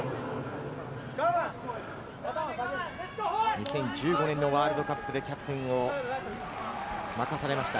２０１９年のワールドカップではキャプテンも務めました。